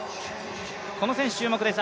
この選手、注目です